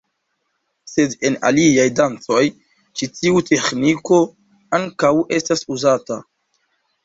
Sed en aliaj dancoj ĉi tiu teĥniko ankaŭ estas uzata.